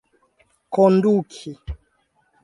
konduki